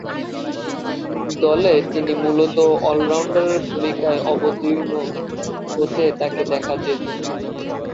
দলে তিনি মূলতঃ অল-রাউন্ডারের ভূমিকায় অবতীর্ণ হতে তাকে দেখা যেতো।